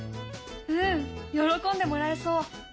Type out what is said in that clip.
うん喜んでもらえそう。